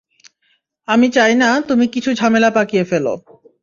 আমি চাই না তুমি কিছু ঝামেলা পাকিয়ে ফেলো।